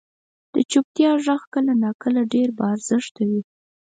• د چپتیا ږغ کله ناکله ډېر با ارزښته وي.